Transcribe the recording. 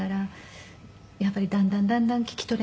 やっぱりだんだんだんだん聞き取れなくなって。